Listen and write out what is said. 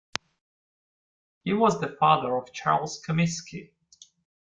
He was the father of Charles Comiskey.